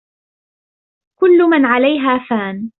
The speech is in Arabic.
كل من عليها فان